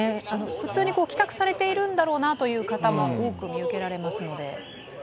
普通に帰宅されているんだろうなという方も多く見受けられますので。